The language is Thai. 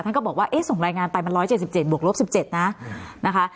ท่านก็บอกว่าเอ๊ะส่งรายงานไปมัน๑๗๗บวกรวบ๑๗นะคะ